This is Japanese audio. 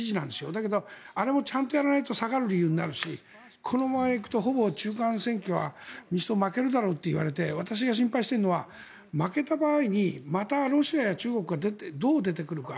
だけど、あれもちゃんとやらないと下がる理由になるしこのまま行くとほぼ中間選挙は民主党、負けるだろうといわれていて私が心配しているのは負けた場合に、またロシアや中国がどう出てくるか。